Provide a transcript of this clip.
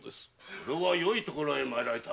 これはよいところへ参られた。